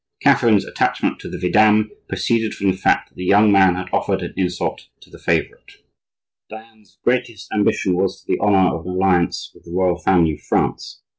Catherine's attachment to the vidame proceeded from the fact that the young man had offered an insult to the favorite. Diane's greatest ambition was for the honor of an alliance with the royal family of France.